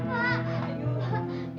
ibu jangan pergi pak